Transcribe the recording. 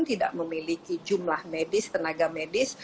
tidak memiliki jumlah medis tenaga medis